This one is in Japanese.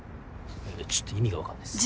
いやちょっと意味がわかんないっす。